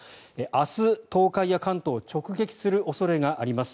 明日、東海や関東を直撃する恐れがあります。